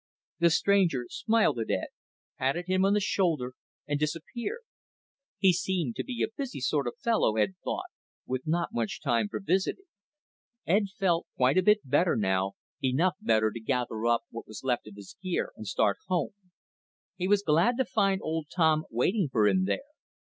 The stranger smiled at Ed, patted him on the shoulder, and disappeared. He seemed to be a busy sort of fellow, Ed thought, with not much time for visiting. Ed felt quite a bit better now, enough better to gather up what was left of his gear and start home. He was glad to find old Tom waiting for him there.